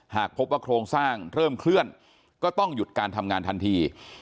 หากพบว่าโครงสร้างเริ่มเคลื่อนก็ต้องหยุดการทำงานทันที